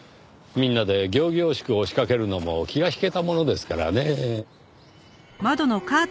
みんなで仰々しく押しかけるのも気が引けたものですからねぇ。